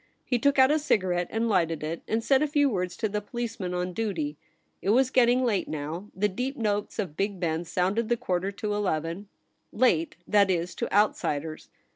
He took out a cigarette and lighted it, and said a few words to the police man on duty. It was getting late now — the deep notes of Big Ben sounded the quarter to eleven — late, that is, to outsiders.